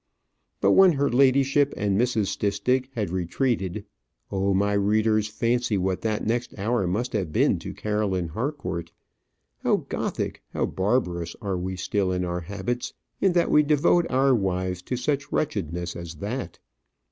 But when her ladyship and Mrs. Stistick had retreated Oh, my readers, fancy what that next hour must have been to Caroline Harcourt! How Gothic, how barbarous are we still in our habits, in that we devote our wives to such wretchedness as that!